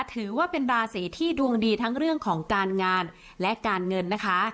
ถือว่าเป็นราศีที่ดวงดีทั้งเรื่องของการงานและการเงินนะคะ